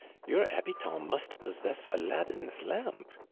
" Your habitants must possess Aladdin's lamp